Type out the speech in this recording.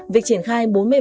việc triển khai bốn mươi đồng